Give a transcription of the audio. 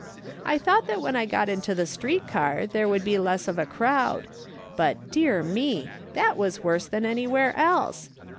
I thought when I got into the street car there would be less of a crowd ; but, dear me ! that was worse than anywhere else.